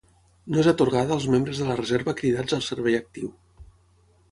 No és atorgada als membres de la reserva cridats al servei actiu.